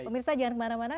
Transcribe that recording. pemirsa jangan kemana mana